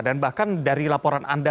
dan bahkan dari laporan anda